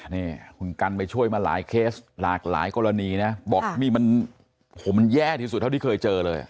นี่คุณกันไปช่วยมาหลายเคสหลากหลายกรณีนะบอกนี่มันแย่ที่สุดเท่าที่เคยเจอเลย